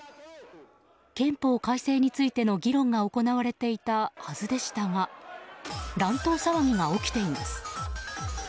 憲法改正についての議論が行われていたはずでしたが乱闘騒ぎが起きています。